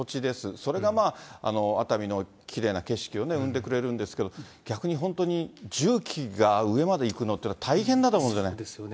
それがまあ、熱海のきれいな景色を生んでくれるんですけれども、逆に本当に重機が上まで行くのって、大変だと思うんですよね。